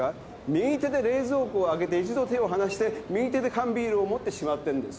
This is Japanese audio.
右手で冷蔵庫を開けて一度手を離して右手で缶ビールを持ってしまってんです。